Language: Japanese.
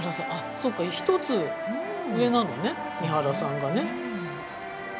そうか１つ上なのね三原さんがね。